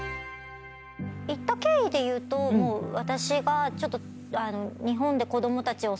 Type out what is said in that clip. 行った経緯でいうと私がちょっと。